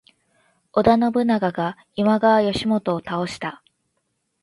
織田信長が今川義元を倒した。